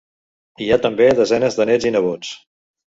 Hi ha també desenes de néts i nebots.